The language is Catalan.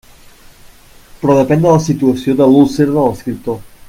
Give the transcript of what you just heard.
Però depén de la situació de l'úlcera de l'escriptor.